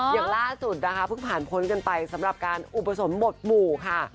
อย่างล่าสุดนะคะเพิ่งผ่านพ้นกันไปสำหรับการอุปสมบทหมู่ค่ะ